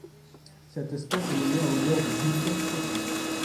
Cette espèce est nommée en l'honneur de Günther Tessmann.